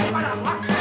belum pandai